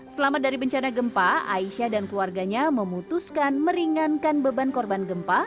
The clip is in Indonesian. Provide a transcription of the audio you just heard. selamat dari bencana gempa aisyah dan keluarganya memutuskan meringankan beban korban gempa